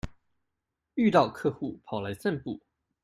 遇到客戶跑來散步